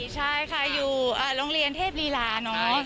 ใช่ค่ะอยู่โรงเรียนเทพลีลาเนอะ